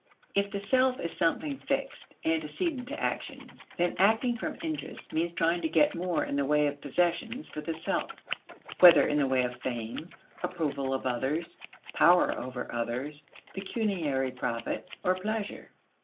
If the self is something fixed antecedent to action, then acting from interest means trying to get more in the way of possessions for the self whether in the way of fame, approval of others, power over others, pecuniary profit, or pleasure.